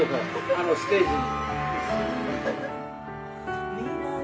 あのステージに。